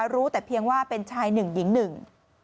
รู้แต่เพียงว่าเป็นชายหนึ่งหญิงหนึ่ง